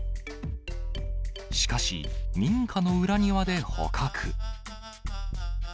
しかし、民家の裏庭で捕獲。